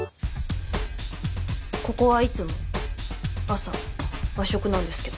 ここはいつも朝和食なんですけど。